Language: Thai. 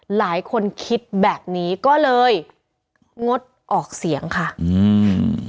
หลายคนคิดแบบนี้ก็เลยงดออกเสียงค่ะอืม